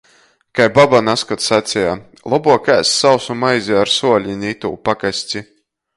Kai baba nazkod saceja - lobuok ēst sausu maizi ar suoli, na itū pakasti.